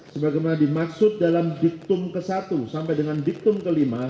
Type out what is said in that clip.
sebagaimana dimaksud dalam diktum ke satu sampai dengan diktum ke lima